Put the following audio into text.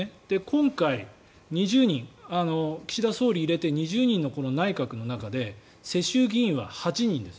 今回、２０人岸田総理入れて２０人の内閣の中で世襲議員は８人です。